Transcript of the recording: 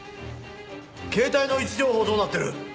携帯の位置情報どうなってる？